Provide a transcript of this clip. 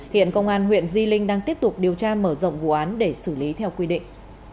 hiện công an huyện di linh đang tiếp tục điều tra mở rộng vụ án để xử lý theo quy định